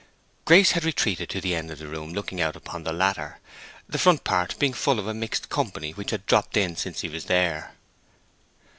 Grace had retreated to the end of the room looking out upon the latter, the front part being full of a mixed company which had dropped in since he was there.